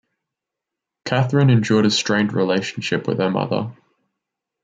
Katharine endured a strained relationship with her mother.